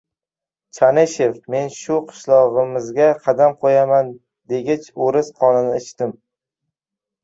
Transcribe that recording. — Chanishev! Men shu qishlog‘imizga qadam qo‘yaman degich o‘ris qonini ichdim.